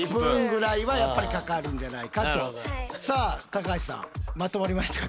じゃあさあ高橋さんまとまりましたか？